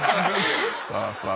さあさあ